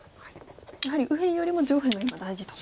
やはり右辺よりも上辺が今大事と。